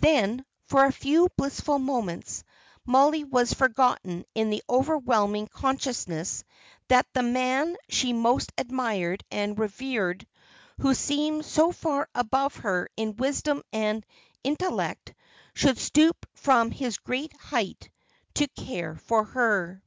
Then, for a few blissful moments, Mollie was forgotten in the overwhelming consciousness that the man she most admired and revered, who seemed so far above her in wisdom and intellect, should stoop from his great height to care for her.